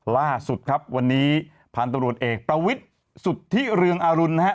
ล่าสุดครับวันนี้พันตรวจเอกประวิทย์สุทธิเรืองอรุณนะฮะ